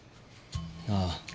ああ。